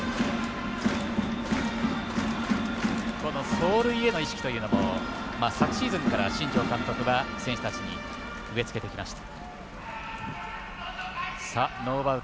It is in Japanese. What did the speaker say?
走塁への意識というのも昨シーズンから新庄監督は選手たちに植え付けてきました。